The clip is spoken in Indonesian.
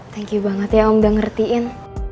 thank you banget ya om udah ngertiin